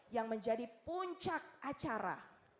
yang menjadi puncak acara